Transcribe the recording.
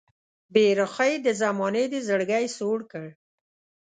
بې رخۍ د زمانې دې زړګی سوړ کړ